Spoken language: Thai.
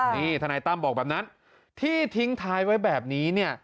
นี่ทนายตั้มบอกแบบนั้นที่ทิ้งท้ายไว้แบบนี้เนี่ย